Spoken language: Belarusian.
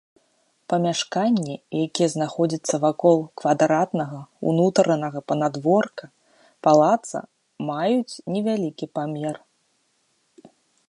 Памяшканні, якія знаходзяцца вакол квадратнага ўнутранага панадворка палацца, маюць невялікі памер.